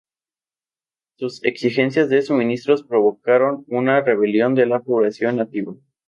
Sus exigencias de suministros provocaron una rebelión de la población nativa.